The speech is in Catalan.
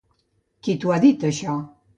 Qui t'ho ha dit, això?